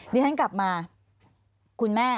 เดี๋ยวท่านกลับมาคุณแม่